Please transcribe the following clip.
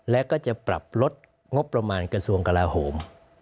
และก็จะปรับลดงบประมาณกระทรวงกลาโหม